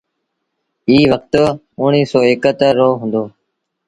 ايٚ وکت اُڻيه سو ايڪ اَتر رو هُݩدو۔